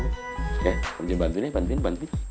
oke om gini bantuin ya bantuin bantuin